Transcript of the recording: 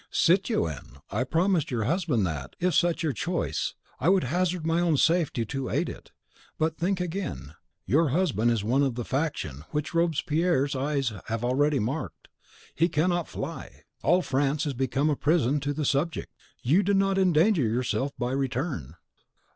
"Citoyenne, I promised your husband that, if such your choice, I would hazard my own safety to aid it. But think again! Your husband is one of the faction which Robespierre's eyes have already marked; he cannot fly. All France is become a prison to the 'suspect.' You do not endanger yourself by return.